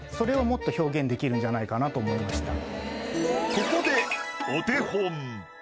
ここでお手本。